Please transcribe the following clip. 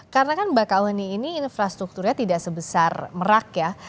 karena kan baka uheni ini infrastrukturnya tidak sebesar merak ya